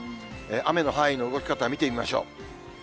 雨の範囲の動き方、見てみましょう。